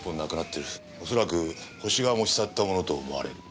おそらく犯人が持ち去ったものと思われる。